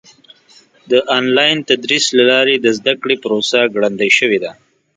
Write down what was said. د آنلاین تدریس له لارې د زده کړې پروسه ګړندۍ شوې ده.